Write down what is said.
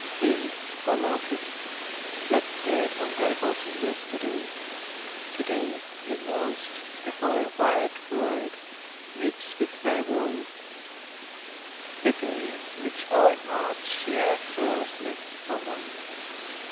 He thou lovedst slept Dead on thy bosom yesterday: to day Thou know'st the whole wide world weeps with thy woe: The grief which all hearts share grows less for one.